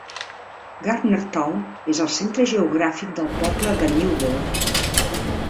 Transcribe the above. Gardnertown és el centre geogràfic del poble de Newburgh.